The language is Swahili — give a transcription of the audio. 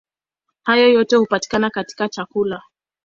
Hayo yote hupatikana katika chakula.